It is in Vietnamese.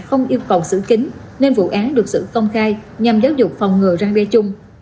không yêu cầu xử kín nên vụ án được xử công khai nhằm giáo dục phòng ngừa ra bia chung